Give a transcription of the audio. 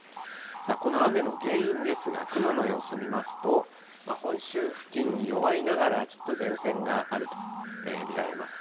この雨の原因ですが、雲の様子を見ますと、本州付近に弱いながら、ちょっと前線があると見られます。